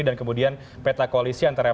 dan kemudian peta koalisi antara